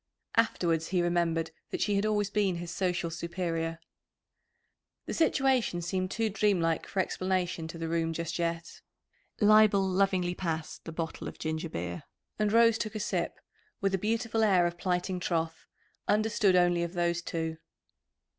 Afterwards he remembered that she had always been his social superior. The situation seemed too dreamlike for explanation to the room just yet. Leibel lovingly passed the bottle of ginger beer and Rose took a sip, with a beautiful air of plighting troth, understood only of those two.